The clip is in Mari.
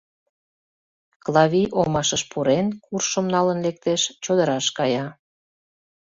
Клавий, омашыш пурен, куршым налын лектеш, чодыраш кая.